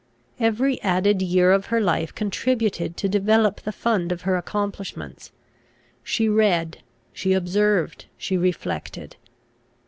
Every added year of her life contributed to develop the fund of her accomplishments. She read, she observed, she reflected.